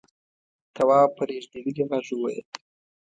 تواب په رېږدېدلي غږ وويل: